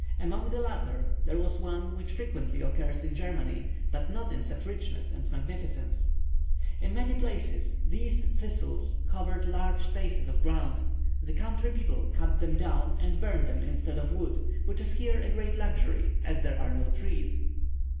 Among the latter, there was one which frequently occurs in Germany, but not in such richness and magnificence. In many places these thistles cover large spaces of ground. The country people cut them down, and burn them instead of wood, which is here a great luxury, as there are no trees.